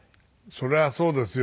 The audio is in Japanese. そりゃそうですよ。